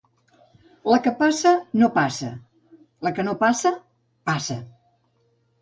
La que passa, no passa: la que no passa, passa.